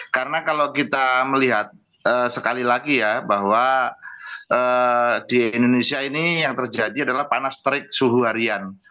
karena kalau kita melihat sekali lagi ya bahwa di indonesia ini yang terjadi adalah panas terik suhu harian